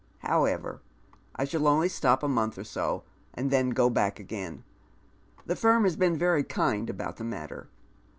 However, I shall only stop a month or so, and then go back again. The linn has been very kind about the matter.